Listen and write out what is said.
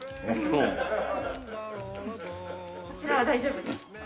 そちらは大丈夫です。